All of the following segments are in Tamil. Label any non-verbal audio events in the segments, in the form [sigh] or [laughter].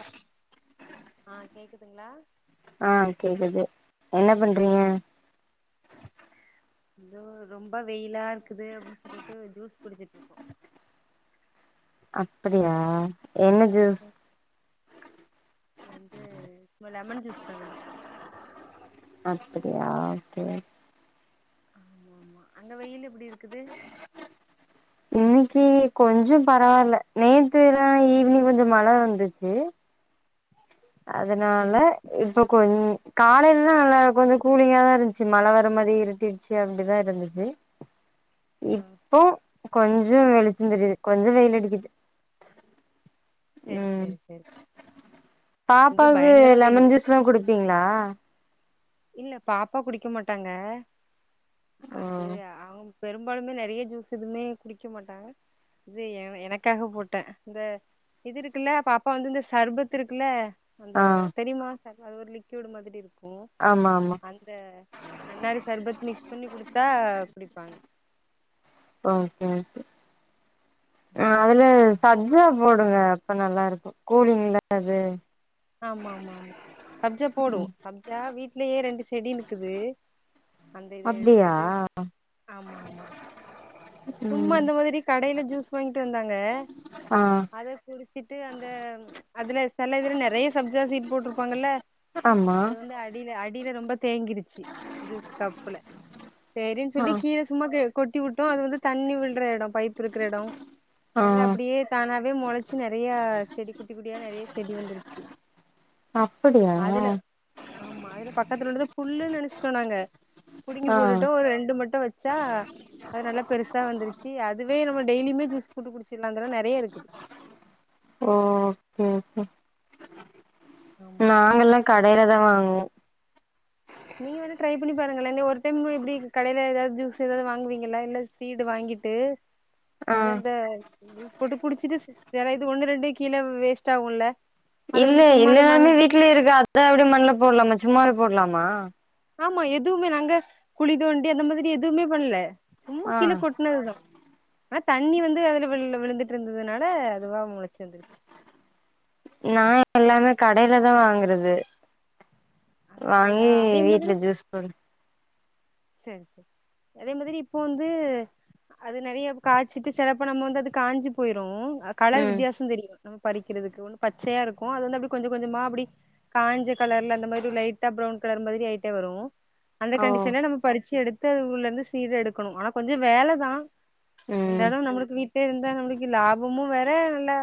அ ஆ கேக்குதுங்களா ஆ கேக்குது என்ன பண்றிங்க தோ தோ ரொம்ப வெயிலா இருக்குது அப்டின்னு சொல்லிட்டு ஜூஸ் குடிச்சிட்டு இருக்கேன் அப்படியா என்ன ஜூஸ் வந்து லெமன் ஜூஸ் தான் அப்படியா ஓகே ஆமா அங்க வெயில் எப்டி இருக்குது இன்னைக்கு கொஞ்சோம் பரவால்ல நேத்துல்லாம் ஈவினிங் கொஞ்சோம் மழ வந்துச்சு அதனால சரி இப்ப கொஞ்சோம் காலைலல்லாம் நல்லா கொஞ்சோம் கூலிங்கா தான் இருந்துச்சு மழ வர மாதி இருட்டிடுச்சு அப்டிதான் இருந்துச்சு ஆ இப்போ கொஞ்சோம் வெளிச்சோம் தெரியுது கொஞ்சோம் வெயில் அடிக்குது சரி ம் சரி சரி இங்க பாப்பாக்கு பயங்கர லெமன் வெயில் ஜூஸ்ல்லாம் குடுப்பீங்ளா இல்ல பாப்பா குடிக்க மாட்டாங்க ஓ அது அவுங்க பெரும்பாலுமே நறைய ஜூஸ் எதுமே குடிக்க மாட்டாங்க இது என எனக்காக போட்டேன் இந்த இது இருக்குல்ல பாப்பா வந்து இந்த சர்பத்து இருக்குல்ல அந்த ஆ தெரிமா சர்பு அது ஒரு லிக்விட் மாரி இருக்குமே ஆமாம் அந்த நன்னாரி சர்பத் மிக்ஸ் பண்ணி குடுத்தா குடிப்பாங்க உம் உம் ம் அதுல சாப்ஜா போடுங்க அப்ப நல்லா இருக்கும் கூலிங்கு இல்ல அது ஆமா ஆமா ஆமா சப்ஜா ம் போடுவோம் சப்ஜா வீட்லயே ரெண்டு செடி நிக்குது அந்த இத அப்டியா எடுத்துட்டு ஆமா ஆமா ம் சும்மா அந்த மாதிரி கடையில ஜிஸ் வாங்கிட்டு வந்தாங்க ஆ அத குடிச்சிட்டு அந்த அதுல சில இதுல நிறைய சப்ஜியா சீட்டு போட்டு இருப்பாங்கல்ல ஆமா அது வந்து அடியில அடியில ரொம்ப தேங்கிடுச்சி ஜுஸ் கப்புல சேரின்னு ஆ சொல்லி கீழே சும்மா கொட்டி விட்டோம் அது வந்து தண்ணி விழுற இடம் பைப்பு இருக்கிற இடம் ஆ அது எல்லாம் அப்படியே தானாவே முளைச்சு நிறைய செடி குட்டி குட்டியா நிறைய செடி வந்துருச்சு அப்படியா அதுல ஆமா அதுல பக்கத்துல உள்ளது புல்லுன்னு நினைச்சுட்டோம் நாங்க புடுங்கி ஆ போட்டுட்டு ஒரு ரெண்டு மட்டும் வச்சா அது நல்லா பெருசா வந்துருச்சு அதுவே நம்ம டெய்லியுமே ஜீஸ் போட்டு குடிச்சிடலாம் அந்த அளவு நிறைய இருக்குது ஓகே ஒகே ஆமா நாங்க எல்லாம் கடையில தான் வாங்குவோம் நீங்கள் வேணா ட்ரை பண்ணி பாருங்களே இன்னும் ஒரு டைம் இப்டி கடையில் எதாவது ஜீஸ் ஏதாவது வாங்குவீங்கள இல்லை சீட் வாங்கிட்டு ஆ [inaudible] அது அந்த ஜுஸ் போட்டு குடிச்சிட்டு சில இது ஒண்ணு ரெண்டு கீழே வி வேஸ்ட் ஆகும்ல இல்லை இல்லைனாலுமே வீட்லயே இருக்குது அதான் அப்டியே மண்ணல போடலாமா சும்மா வே போடலாமா ஆமா எதுவுமே நாங்க குழி தோண்டி அந்த மாதிரி எதுவுமே பண்ணல சும்மா ஆ கீழே கொட் ஆனது தான் ஆனா தண்ணி வந்து அதுல விழுந்துட்டு இருந்ததுனால அதுவா முளைச்சு வந்துருச்சு நாங்க எல்லாமே கடைல தான் வாங்குறது அதுவாங்கி அப்படியா அதே வீட்டுல ஜூஸ் போட்டு சேரி சேரி அதே மாதிரி இப்போ வந்து அது நிறைய காய்சிட்டு சில அப்ப நம்ம வந்து அது காய்ஞ்சி போயிரும் கலர் ம் வித்தியாசம் தெரியும் நம்ம பறிக்கிறதுக்கு ஒன்னு பச்சையா இருக்கும் அது வந்து அப்படி கொஞ்சம் கொஞ்சமா அப்படி காஞ்ச கலர்ல அந்த மாதிரி ஒரு லைட்டா பிரரௌன் கலர் மாதிரி ஆயிட்டே வரும் அந்த ஓ கண்டிஷன்ல நம்ம பறிச்சு எடுத்து உள்ள இருந்து சீட எடுக்கணும் ஆனா கொஞ்சம் வேலைதான் ம் இருந்தாலும் நம்மளுக்கு வீட்டுல இருந்தா நம்மளுக்கு லாபமும் வேற இல்லா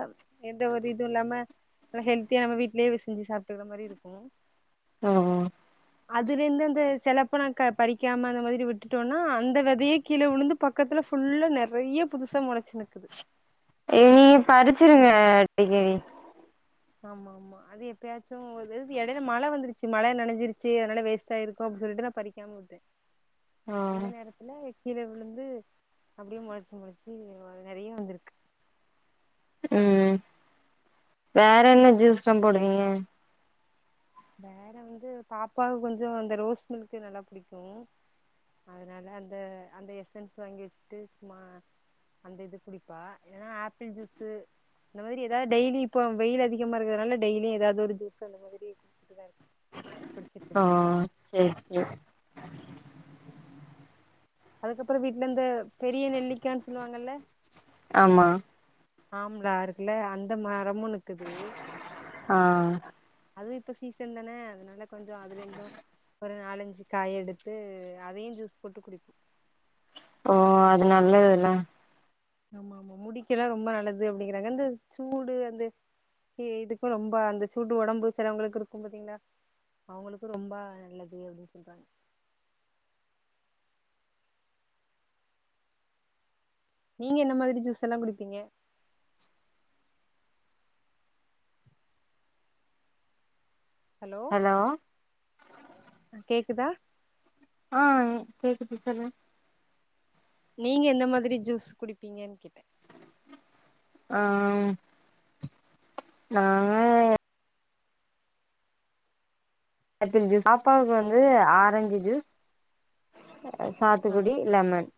எந்த ஒரு இதுவும் இல்லாம நல்ல ஹெல்தியா நம்ம வீட்லயே வ செஞ்சு சாப்பிட்டுக்கிற மாரி இருக்கும் ஓ ஓ அதுல இருந்து அந்த சிலப்போ நாங்க பறிக்காம அந்த மாதிரி விட்டுட்டோனா அந்த விதையே கீழே விழுந்து பக்கத்துல ஃபுல்லா நிறைய புதுசா முளைச்சு நிக்குது ஏய் பறிச்சிருங்க [unintelligible] ஆமா ஆமா அது எப்பயாச்சும் இடையில மழை வந்துருச்ச மழையில நினைச்சிருச்சு அதனால வேஸ்ட ஆயிருக்கும் அப்படினு சொல்லிட்டு நான் பறிக்காமல் விட்டுடேன் [inaudible] ஆம் எல்லாம் எக் கீழே விழுந்து அப்படியே முளைச்சி முளைச்சி நிறைய வந்திருக்கு உம் வேற என்ன ஜூஸ் லாம் போடுவீங்க வேற வந்து பாப்பா கொஞ்சம் அந்த ரோஸ் மில்க்கு இதெல்லா பிடிக்கும் அதனால அந்த அந்த எஸ்என்ஸ் வாங்கி வச்சிட்டு சும்மா அந்த இது குடிப்பா எதுன்னா ஆப்பிள் ஜூஸ் அது மாதிரி ஏதாவது டெய்லி இப்ப வெயில் அதிகமா இருக்கனால டெய்லி ஏதாவது ஒரு ஜூஸ் அந்த மாதிரி இதா அது ஆ சேரி சேர் அதுக்கு அப்றோ வீட்ல இருந்து பெரிய நெல்லிக்கானு சொல்வாங்க இல்ல ஆமா ஆம்லா இருக்குல அந்த மரமு இக்குது ஆ அதுவு இப்ப சீசன் தானே அதனால கொஞ்ச அதுல இருந்து ஒரு நாலஞ்சி காய் எடுத்து அதயு ஜூஸ் போட்டு குடிப்போ ஓ அது நல்லது இல்ல ஆமா ஆமா முடிக்குலா ரொம்ப நல்லது அப்டிங்கிறாங்க அந்த சூடு அந்த கி இதுக்கு ரொம்ப அந்த சூடு ஒடம்பு சிலவங்களுக்கு இருக்கு பாத்தீங்களா அவுங்ளுக்கு ரொம்ப நல்லது அப்டினு சொல்றாங்க நீங்க என்ன மாதிரி ஜூஸ் எல்லா குடிப்பீங்க ஹலோ கேக்குதா ஆ கேக்குது சொல்லுங் நீங்க எந்த மாதிரி ஜூஸ் குடிப்பீங்கன் கேட்டே ஆம் நாங்க ஆப்பிள் ஜூஸ் அப்பாவுக்கு வந்து ஆரஞ்சி ஜூஸ் ஆ சாத்துக்குடி லெமன்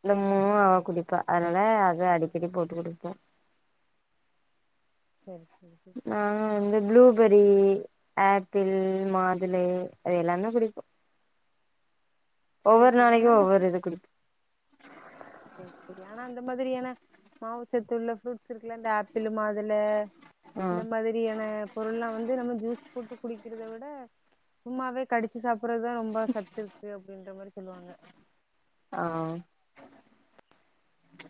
இந்த மூணு ஆ குடிப்பே அதனால அத அடிக்கடி போட்டு குடிப்போ செரி ம் இந்த ப்ளூபெரி ஆப்பிள் மாதுளை அது எல்லாமே குடிப்போ சரி ஒவ்வொரு சரி நாளைக்கு ஆனா ஒவ்வொரு இது குடிப்போ செரி செரி ஆனா இந்த மாதிரியான மாவுச்சத்து உள்ள ஃப்ரூட்ஸ் இருக்குல இந்த ஆப்பிளு மாதுல இந்த ஆ மாதிரியான பொருள்லா வந்து நம்ம ஜூஸ் போட்டு குடிக்கிறத விட சும்மாவே கடிச்சி சாப்பட்றதுதா ரொம்ப சத்து இருக்கு அப்டின்ற மாரி சொல்லுவாங்க ஆ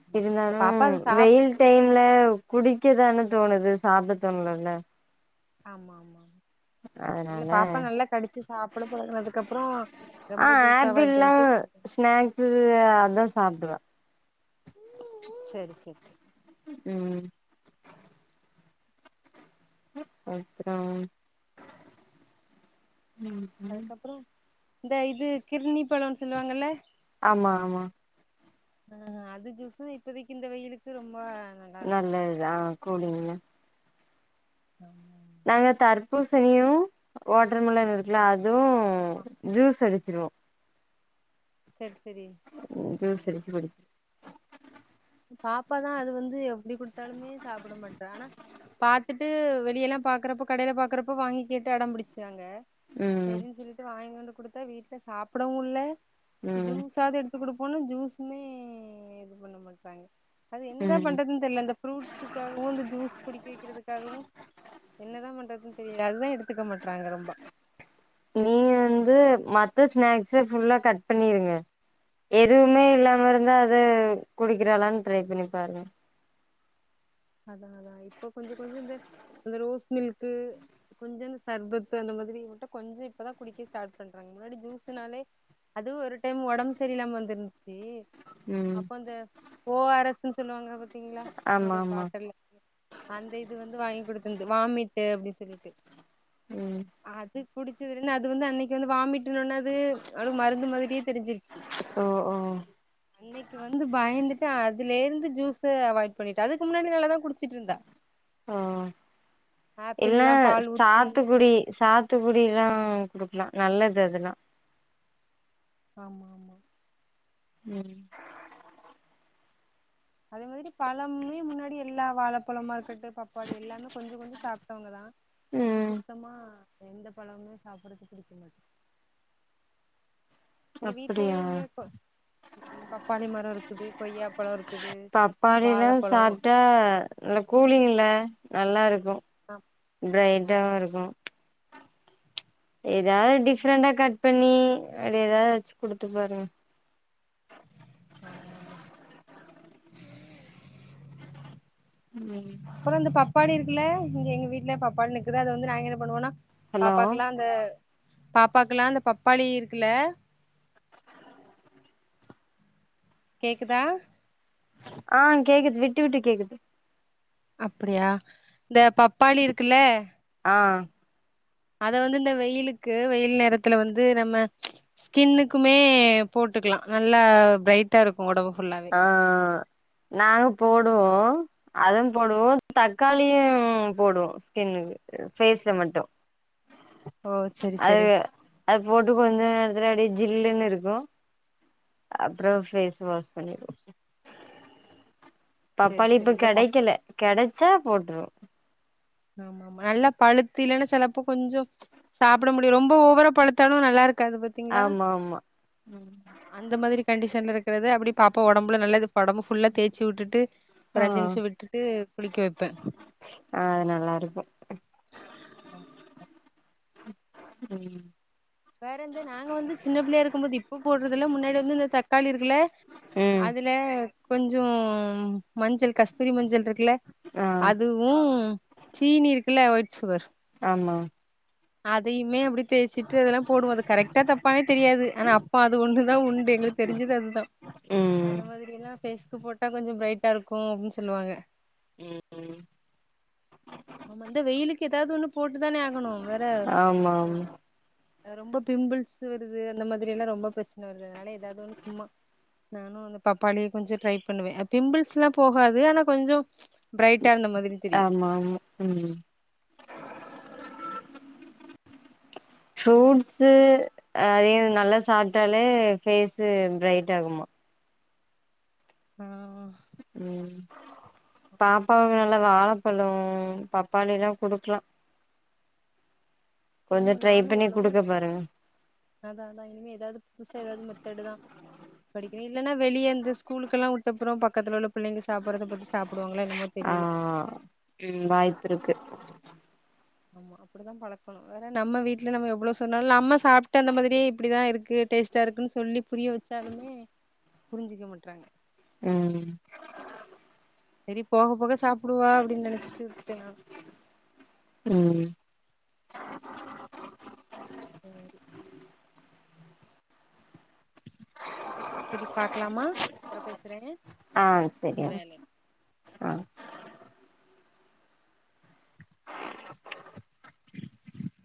ஆமா இருந்தாலு பாப்பா அது சாப் வெயில் டைம்ல குடிக்கதானே தோணுது சாப்ட தோண்லல இல்ல அதனால பாப்பா நல்லா கடிச்சி சாப்ட பழகுனதுக்கு அப்றோ ரொம்ப ஜூஸா அவாய்ட் பண்ட்டு ஸூ அதா சாப்டுவே சரி சரி ம் அப்றம் ம் அதுக்கப்றோ இந்த இது கிர்ணி பழோன் சொல்லுவாங்கல ஆமா ஆமா ஆ அது ஜூஸு இப்பதைக்கு இந்த வெயிலுக்கு ரொம்ப நல்ல நல்லதுதா குடிங்க ம் நாங்க தர்பூசினியு வாட்ரு மெலனு குடிக்லா அதுவு ஆ ஜூஸ் அடிச்சிருவோ சரி சரி வந்து [unintelligible] பாப்பாதா அது வந்து எப்டி குடுத்தாலுமே சாப்ட மாட்றா ஆனா வந்து பாத்துட்டு வெளியலா பாக்குறப்போ கடையில பாக்குறப்போ வாங்கி கேட்டு அடம்பிடிச்சாங்க ம் செரின் சொல்லிட்டு வாய்ங் வந்து குடுத்தா வீட்ல சாப்டவு இல்ல ம் ஜூஸாது எடுத் து குடுப்போனு ஜூஸுமே இது பண்ண மாட்றாங்க அது என்னதாம் ம் பண்றதுன் தெர்ல இந்த ஃப்ரூட்ஸுக்காகவு இந்த ஜூஸ் குடிக்க வெக்கிறதுக்காகவு என்னதாம் பண்றதுன் தெரில அதுதா எடுத்துக்க மாட்றாங்க ரொம்பா நீங்க வந்து மத்த ஸ்நாக்ஸ ஃபுல்லா கட் பண்ணிருங்க எதுவுமே இல்லாம இருந்தா அத குடுக்கிறாளான் ட்ரைப் பண்ணி பாருங்க அதா அதா இப்போ கொஞ்சோ கொஞ்சோ இந்த இந்த ரோஸ் மில்க்கு கொஞ்சோ இந்த சர்பத்து அந்த மாதிரி மட்டு கொஞ்சோ இப்பதா குடிக்க ஸ்டார்ட் பண்றாங்க முன்னாடி ஜூஸுனாலே அதுவு ஒரு டைம் ஒடம் செரியில்லாம வந்திருந்ச்சி ம் அப்போ அந்த ஓ ஆர் எஸ்ன்னு சொல்லுவாங்க பாத்தீங்ளா ஆமா ஒரு ஆமா பாட் அந்த இது வந்து வாங்கி குடுத்துந்து வாமிட்டு அப்டின் சொல்லிட்டு ம் அது குடிச்சிதுலந்து அது வந்து அன்னைக்கு வாமிட்டுனோன்ன அது அவுளு மருந்து மாதிரியே தெரிஞ்சிருச்சி ஓ ஓ அன்னைக்கு வந்து பயந்துட்டு அதுலேர்ந்து ஜூஸ அவாய்ட் பண்ணிட்ட அதுக்கு முன்னாடி நல்லாதா குடிச்சிட்ருந்தா ஓ என்ன ஆப்பிள்லா பால் ஊத்தி சாத்துகுடி சாத் த்துகுடிலா குடுக்லா நல்லது அதுலா ஆமா ஆமா ம் அதே மாதிரி பழம்மே முன்னாடி எல்லா வாழப்பழம்மார் க்கட்டு பப்பாளி எல்லாமே கொஞ்சோ கொஞ்சோ சாப்ட்டவுங்கதா இப்போ ம் சுத்தமா எந்த பழமுமே சாப்படத்து புடிக்க மாட்டு இங்க வீட்லயே அப்படியா இங்க கொ ம் ம் பப்பாளி மரோ இருக்குது கொய்யாப்பழோ இருக் பப்பாளிலா சாப்ட்டா அல கூலிங்கில்ல நல்லாருக்கு ஆ ஆமா பிரைட்டாவு இருக்கு எதா டிஃப்ரெண்டா கட் பண்ணி அப்டி எதா வெச்சி குடுத்து பாருங்க ஆமா ஆமா ம் அப்பறோ இந்த பப்பாளி இருக்குலே இங்க எங்க வீட்லே பப்பாள்னு இக்குது அத வந்து நாங்க என்ன பண்ணுவோனா ஹலோ பாப்பாக்லா அந்த பாப்பாக்குலா அந்த பப்பாளி இருக்குல கேக்குதா ஆ கேக்குது விட்டு விட்டு கேக்குது அப்டியா இந்த பப்பாளி இருக்குல்ல ஆ அத வந்து இந்த வெயிலுக்கு வெயில் நேரத்துல வந்து நம்ம கின்னுக்குமே போட்டுக்லா நல்லா பிரைட்டா இருக்கு ஒடம்பு ஃபுல்லா ஆ நாங்க போடுவோ அதும் போடுவோ தக்காளியும் போடுவோ ஸ்கின்னுக்கு ஃபேஸ்ல மட்டு ஓ செரி செரி அதுக அது போட்டு கொஞ்ச நேரத்துலியே அப்டியே ஜில்லுனு இருக்கு அப்றோ ஃபேஸ் வாஷ் பண்ணிருவோ செரி பப்பாளி செரி இப்ப இந்த பப் கெடைக்கல கெடச்சா போட்டுபோ ஆமா ஆமா நல்லாப் பழுத்து இல்லேனா செலப்போ கொஞ்சோ சாப்ட முடியு ரொம்ப ஓவராப் பழுத்தாலு நல்லாருக்காது பாத்தீங்ளா ஆமா ஆமா ம் அந்த மாரி கண்டிஷன்ல இருக்கறது அப்டி பாப்பா ஒடம்புல நல்லா இது ஒடம்பு ஃபுல்லா தேச்சி விட்டுட்டு ஒரு ஆ அஞ்சு நிம்ஷ விட்டுட்டு குளிக்க வைப்பே ஆ நல்லா இருக்கு ஆ அ ம் வேற இந்த நாங்க வந்து சின்ன புள்ளையா இருக்கும்போது இப்ப போடுறதுல முன்னாடி வந்து இந்த தக்காளி இருக்குல ம் அது ல கொஞ்சோ மஞ்சள் கஸ்தூரி மஞ்சள் இருக்குல்ல ஆ அது வு சீனி இருக்குல்ல ஒயிட் சுகர் ஆமா அதையுமே அப்டி தேய்ச்சிட்டு அதெல்லா போடுவோ அது கரெக்டா தப்பானே தெரியாது ஆனா அப்ப அது ஒன்னு தா உண்டு எங்களுக்கு தெரிஞ்சது அதுதா ம் அந்த மாதிரில்லா பேஸ்கு போட்டா கொஞ்சோ பிரைட்டா இருக்கு அப்டின் சொல்லுவாங்க ம் ஆமா இந்த வெயிலுக்கு ஏதாது ஒண்ணு போட்டு தானே ஆகணு வேற ஆமா ஆமா ரொம்ப பிம்புள்ஸ் வருது அந்த மாதிரி எல்லா ரொம்ப பிரச்சன வருது அதனால ஏதாது ஒன்னு சும்மா அ நானு இந்த பப்பாளிய கொஞ்சோ ட்ரை பண்ணுவே பிம்பிள்ஸ்ல்லா போகாது ஆனா கொஞ்சோ பிரைட்டா இருந்தா மாதிரி தெரியு ஆமா ஆமா ம் ஃப்ரூட்ஸு அ எ நல்லா சாப்டாலே ஃபேஸ்ஸு பிரைட் ஆகுமா ம் ம் பாப்பாவு நல்லா வாழப்பழோ பப்பாளில்லா குடுக்கலா கொஞ்ச ஆமா ட்ரை நானு பண்ணி எவ்வளவோ குடுக்க பாருங்க அதா அதா இனிமே ஏதாது புதுசா ஏதாது மெத்தேடுதா இலன்னா வெளியே இந்த ஸ்கூல்குளா விட்டப்ரோ பக்கத்துல உள்ள பிள்ளைங்க சாப்பறத பத்தி சாப்டுவாங்களோ என்னமோ ஆ தெரில ம் வாய்ப் இருக்கு ஆமா அப்டிதா பழக்குனு வேற நம்ம வீட்ல நம்ம எவ்ளோ சொன்னாலு நம்ம சாப்ட்டு அந்த மாரியே இப்டி தா இருக்கு டேஸ்டா இருகுன்னு சொல்லி புரிய வச்சா லுமே புரிஞ்சுக்க மாட்றாங்க ம் செரி போக போக சாப்புடுவா அப்டின்னு நெனைச்சிட்டு விட்டே நானு ம் சேரி செரி பாக்கலாமா அப்ரோ பேசுறே ஆ கொஞ்ச செரி வேல இருக்கு ஆ